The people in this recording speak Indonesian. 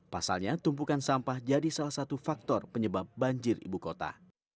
pasalnya tumpukan sampah jadi salah satu faktor penyebab banjir ibu kota